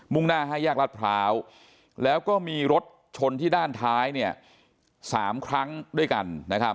่งหน้า๕แยกรัฐพร้าวแล้วก็มีรถชนที่ด้านท้าย๓ครั้งด้วยกัน